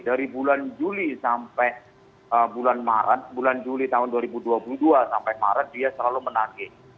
dari bulan juli sampai bulan maret bulan juli tahun dua ribu dua puluh dua sampai maret dia selalu menagih